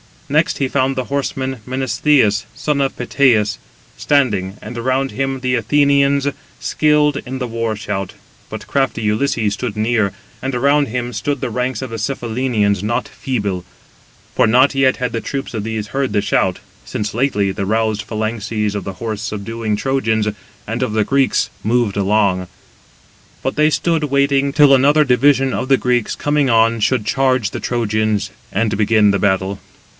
Next he found the horseman Menestheus, son of Peteus, standing, and around him the Athenians skilled in the war shout: but crafty Ulysses stood near; and round him stood the ranks of the Cephallenians not feeble; for not yet had the troops of these heard the shout, since lately the roused phalanxes of the horse subduing Trojans and of the Greeks moved along; but they stood waiting till another division of the Greeks, coming on, should charge the Trojans and begin the battle.